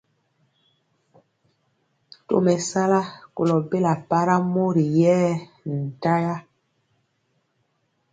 Tomesala kolo bela para mori yɛɛ nɛ ntaya.